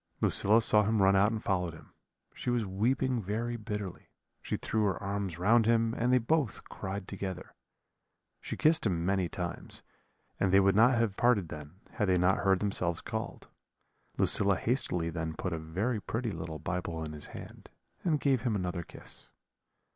"Lucilla saw him run out and followed him; she was weeping very bitterly; she threw her arms round him, and they both cried together. She kissed him many times, and they would not have parted then, had they not heard themselves called. Lucilla hastily then put a very pretty little Bible in his hand, and gave him another kiss.